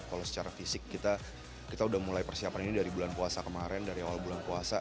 kalau secara fisik kita udah mulai persiapan ini dari bulan puasa kemarin dari awal bulan puasa